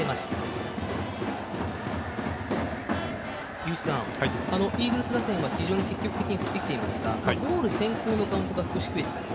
井口さんイーグルス打線は非常に積極的に振ってきていますがボール先行のカウントが少し増えています